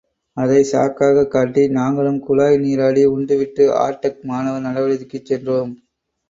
அதைச் சாக்காகக் காட்டி, நாங்களும் குழாய் நீராடி, உண்டுவிட்டு, ஆர்டெக் மாணவர் நலவிடுதிக்குச் சென்றோம்.